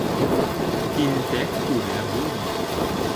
Тинтәк түрә булмаҫ.